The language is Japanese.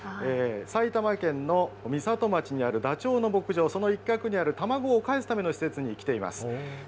埼玉県の美里町にあるダチョウの牧場、その一角にある卵をかえすための施設に来ています。